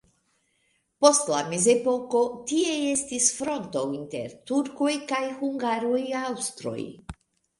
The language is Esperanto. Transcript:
Post la mezepoko tie estis fronto inter turkoj kaj hungaroj-aŭstroj.